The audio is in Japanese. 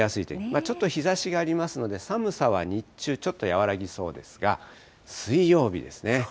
ちょっと日ざしがありますので、寒さは日中、ちょっと和らぎそうですが、水曜日ですね。